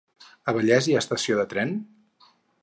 A Vallés hi ha estació de tren?